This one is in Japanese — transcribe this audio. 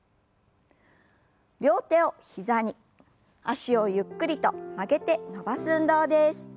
両手を膝に脚をゆっくりと曲げて伸ばす運動です。